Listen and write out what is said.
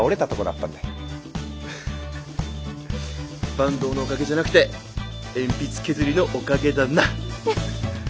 坂東のおかげじゃなくて鉛筆削りのおかげだな。